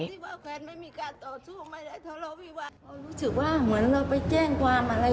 รู้สึกว่าเหมือนเราไปแจ้งความอะไร